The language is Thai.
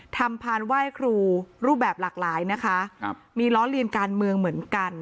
พานไหว้ครูรูปแบบหลากหลายนะคะครับมีล้อเลียนการเมืองเหมือนกัน